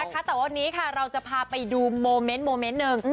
แต่ว่าวันนี้ค่ะเราจะพาไปดูโมเม้นท์นึง